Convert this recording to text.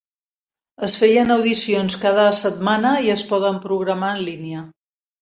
Es feien audicions cada setmana i es poden programar en línia.